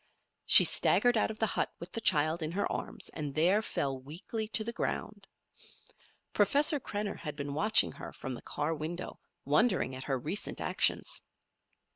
She staggered out of the hut with the child in her arms, and there fell weakly to the ground. Professor Krenner had been watching her from the car window, wondering at her recent actions.